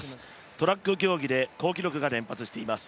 トラック競技で好記録が連発しています。